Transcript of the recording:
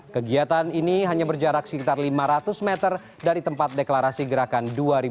kegiatan ini hanya berjarak sekitar lima ratus meter dari tempat deklarasi gerakan dua ribu dua puluh